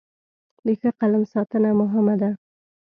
د ښه قلم ساتنه مهمه ده.